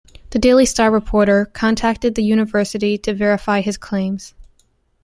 The Daily Star reporter contacted the university to verify his claims.